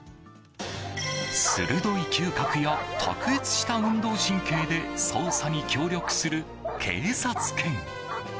鋭い嗅覚や卓越した運動神経で捜査に協力する警察犬。